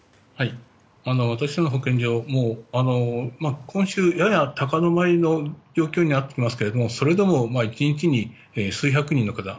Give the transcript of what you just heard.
私の保健所は今週、やや高止まりの状況になっていますがそれでも１日に数百人の方